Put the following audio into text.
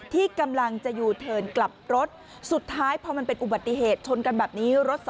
ที่กำลังจะอยู่เทินกลับรถ